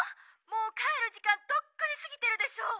もうかえるじかんとっくにすぎてるでしょう！」。